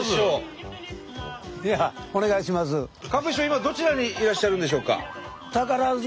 今どちらにいらっしゃるんでしょうか？